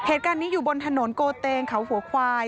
เหตุการณ์นี้อยู่บนถนนโกเตงเขาหัวควาย